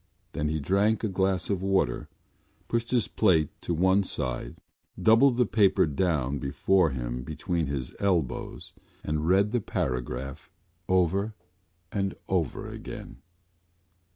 Then he drank a glass of water, pushed his plate to one side, doubled the paper down before him between his elbows and read the paragraph over and over again.